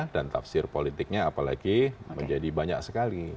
dan tafsir politiknya apalagi menjadi banyak sekali